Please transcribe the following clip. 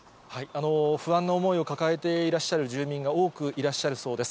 不安な思いを抱えていらっしゃる住民が多くいらっしゃるそうです。